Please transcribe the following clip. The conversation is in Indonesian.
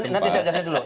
nanti saya jelasin dulu